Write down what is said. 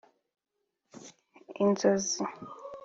Inzozi